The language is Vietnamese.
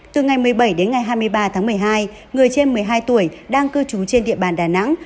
từ ngày một mươi bảy đến ngày hai mươi ba tháng một mươi hai người trên một mươi hai tuổi đang cư trú trên địa bàn đà nẵng